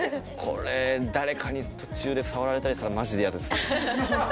これ誰かに途中で触られたりしたらまじで嫌ですね。